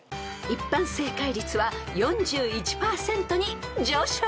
［一般正解率は４１％に上昇］